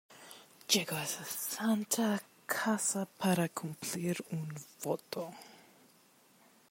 llego a esta santa casa para cumplir un voto.